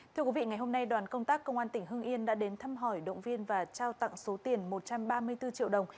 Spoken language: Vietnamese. thưa quý vị ngày hôm nay đoàn công tác công an tỉnh hưng yên đã đến thăm hỏi động viên và trao tặng số tiền một trăm ba mươi bốn triệu đồng